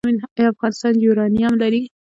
آیا افغانستان یورانیم لري؟